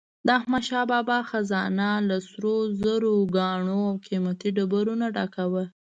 د احمدشاه بابا خزانه له سروزرو، ګاڼو او قیمتي ډبرو نه ډکه وه.